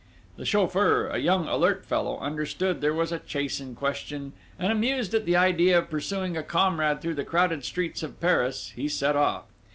The chauffeur, a young alert fellow, understood there was a chase in question, and amused at the idea of pursuing a comrade through the crowded streets of Paris, he set off.